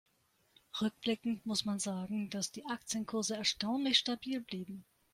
Rückblickend muss man sagen, dass die Aktienkurse erstaunlich stabil blieben.